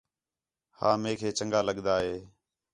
ہاں میک ہے چنڳا لڳدا ہے